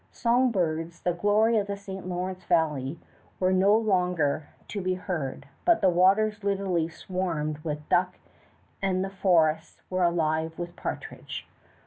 Song birds, the glory of the St. Lawrence valley, were no longer to be heard, but the waters literally swarmed with duck and the forests were alive with partridge.